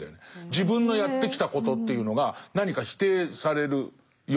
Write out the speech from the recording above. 自分のやってきたことというのが何か否定されるような。